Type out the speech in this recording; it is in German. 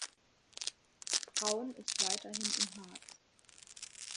Braun ist weiterhin im Harz.